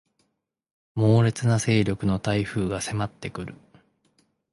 猛烈な勢力の台風が迫ってくる